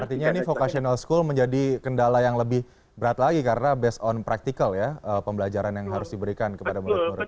artinya ini vocational school menjadi kendala yang lebih berat lagi karena based on practical ya pembelajaran yang harus diberikan kepada murid murid